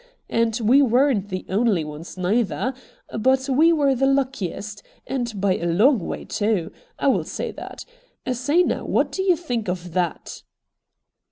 And we weren't the only ones neither. But we were the luckiest, and by a long way too ; I will say that. Say, now, what do you think of that?'